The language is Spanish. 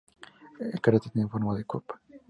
El cráter tiene forma de copa.